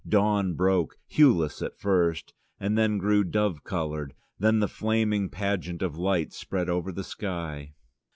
Dawn broke, hueless at first; then it grew dove coloured, then the flaming pageant of light spread over the sky.